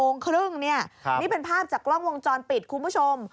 ๑๑๓๐นนี้เป็นภาพจากกล้องวงจรปิดคุณผู้ชม